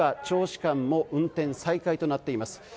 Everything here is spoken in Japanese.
銚子間も運転再開となっています。